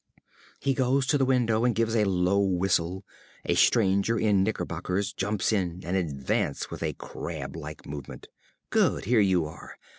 (_He goes to the window and gives a low whistle. A stranger in knickerbockers jumps in and advances with a crab like movement._) Good! here you are.